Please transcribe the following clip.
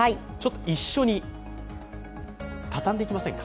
一緒に畳んでいきませんか。